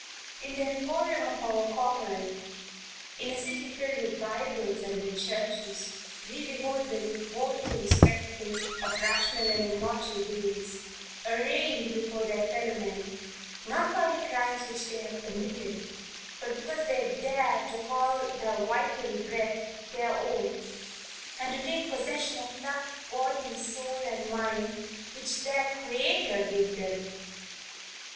In the emporium of our commerce, in a city filled with Bibles and with churches, we behold the revolting spectacle of rational and immortal beings, arraigned before their fellow men, not for any crimes which they have committed, but because they dare to call their vital breath their own, and to take possession of that body, soul, and mind, which their Creator gave them.